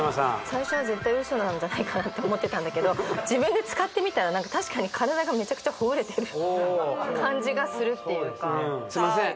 最初は絶対嘘なんじゃないかなと思ってたんだけど自分で使ってみたら確かに体がめちゃくちゃほぐれてる感じがするっていうかすいません